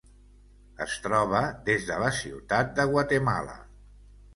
Es troba des de la ciutat de Guatemala.